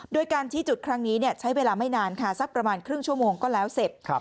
โดยการชี้จุดครั้งนี้ใช้เวลาไม่นานค่ะสักประมาณครึ่งชั่วโมงก็แล้วเสร็จ